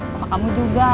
sama kamu juga